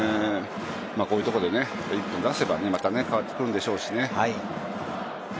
こういうところで一本出せば、また変わってくるんでしょうしね。